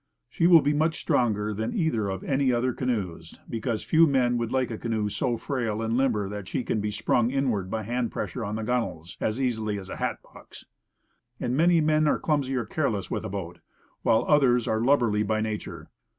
She will be much stronger than either of my other canoes, because few men would like a canoe so frail and limber that she can be sprung in ward by hand pressure on the gunwales, as easily as a hat box. And many men are clumsy or careless with a boat, while others are lubberly by nature.